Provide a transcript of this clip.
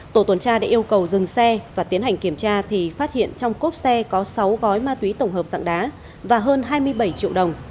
tổ tuần tra đã yêu cầu dừng xe và tiến hành kiểm tra thì phát hiện trong cốp xe có sáu gói ma túy tổng hợp dạng đá và hơn hai mươi bảy triệu đồng